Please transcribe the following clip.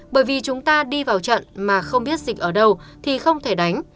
bởi vì chúng ta đi vào trận mà không biết dịch ở đâu thì không thể đánh